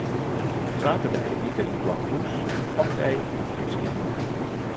Saterdei wie der yn Blauhûs in fokdei fan it Fryske hynder.